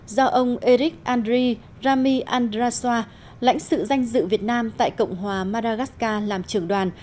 do ông eric andriy rami andraswa lãnh sự danh dự việt nam tại cộng hòa madagascar làm trưởng đoàn